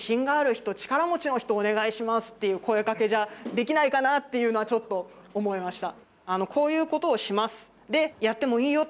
っていう声かけじゃできないかなっていうのはちょっと思いました。